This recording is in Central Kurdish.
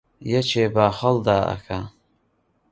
یەکێ باخەڵ دائەکا